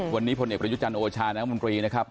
วันนี้ผลเอกบริยุจรรย์โอชานักมุมกรีนะครับ